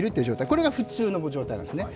これが普通の状態なんですね。